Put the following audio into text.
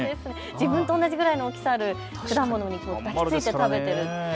自分と同じくらいの大きさのある果物に抱きついて食べている。